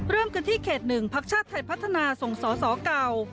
เริ่มกันที่เขต๑พักชาติไทยพัฒนาส่งสอสอเก่า